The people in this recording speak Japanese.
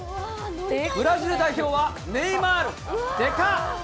ブラジル代表はネイマール。でかっ。